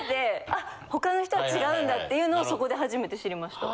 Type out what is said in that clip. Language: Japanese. あほかの人は違うんだっていうのをそこで初めて知りました。